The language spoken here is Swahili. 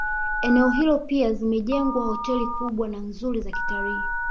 Eneo hilo pia zimejengwa hoteli kubwa na nzuri za kitalii